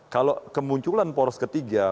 kalau kemunculan poros ketiga